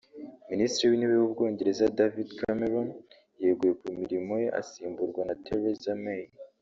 Minisitiri w’intebe w’ubwongereza David Cameron yeguye ku mirimo ye asimburwa na Theresa May